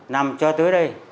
nằm cho tới đây